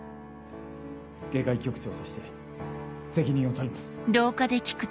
外科医局長として責任を取ります